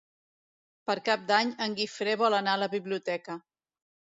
Per Cap d'Any en Guifré vol anar a la biblioteca.